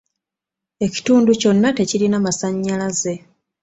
Ekitundu kyonna tekirina masanyalaze.